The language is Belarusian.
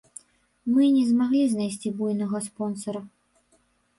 Мы не змаглі знайсці буйнога спонсара.